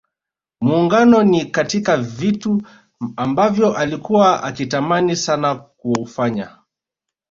Muungano ni katika vitu ambavyo alikua akitamani sana kufanya